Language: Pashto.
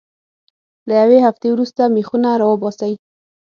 له یوې هفتې وروسته میخونه را وباسئ.